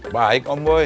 baik om boy